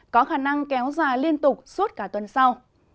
có khả năng kéo dài liên tục suốt cả tuần sau